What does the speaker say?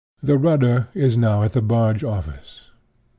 The rudder is now at the barge office."